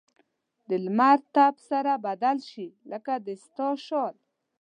د لمر تپ سره بدل شي؛ لکه د ستا شال.